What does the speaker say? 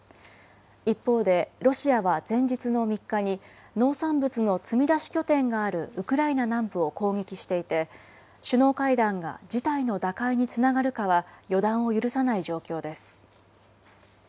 一方で、ロシアは前日の３日に、農産物の積み出し拠点があるウクライナ南部を攻撃していて、首脳会談が事態の打開につながるかは予断を許さない状況です。